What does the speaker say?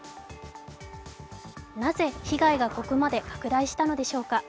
なぜ、被害がここまで拡大したのでしょうか？